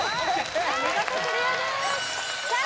お見事クリアですさあ